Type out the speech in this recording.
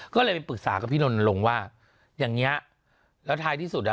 ก็เลยไปปรึกษากับพี่นนลงว่าอย่างเงี้ยแล้วท้ายที่สุดอ่ะ